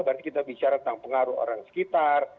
berarti kita bicara tentang pengaruh orang sekitar